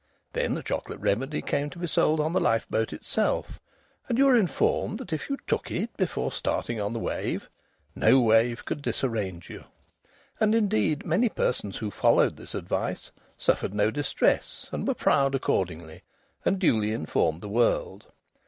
Then the Chocolate Remedy came to be sold on the lifeboat itself, and you were informed that if you "took" it before starting on the wave, no wave could disarrange you. And, indeed, many persons who followed this advice suffered no distress, and were proud accordingly, and duly informed the world.